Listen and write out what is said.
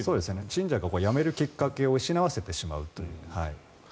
信者が辞めるきっかけを失わせてしまうと。